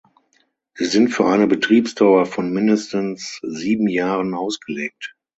Sie sind für eine Betriebsdauer von mindestens sieben Jahren ausgelegt.